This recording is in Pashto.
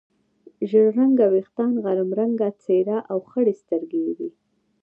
ژړ رنګه وریښتان، غنم رنګه څېره او خړې سترګې یې وې.